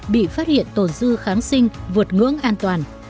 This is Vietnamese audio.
bị phát hiện tồn dư kháng sinh vượt ngưỡng an toàn